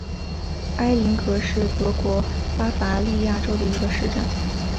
埃林格是德国巴伐利亚州的一个市镇。